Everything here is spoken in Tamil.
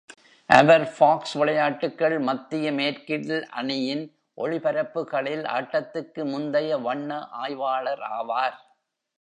அவர், ஃபாக்ஸ் விளையாட்டுகள் மத்திய மேற்கில் அணியின் ஒளிபரப்புகளில் ஆட்டத்துக்கு முந்தைய வண்ண ஆய்வாளர் ஆவார்.